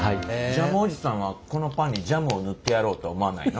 ジャムおじさんはこのパンにジャムを塗ってやろうとは思わないの？